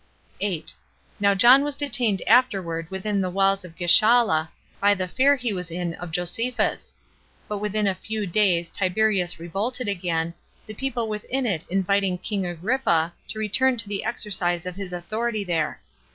8. Now John was detained afterward within the walls of Gischala, by the fear he was in of Josephus; but within a few days Tiberias revolted again, the people within it inviting king Agrippa [to return to the exercise of his authority there].